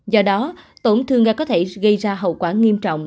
do đó tổn thương ga có thể gây ra hậu quả nghiêm trọng